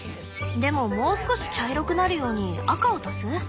でももう少し茶色くなるように赤を足す？